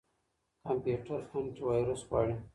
کمپيوټر انټيويروس غواړي.